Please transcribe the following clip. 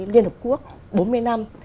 liên hợp quốc bốn mươi năm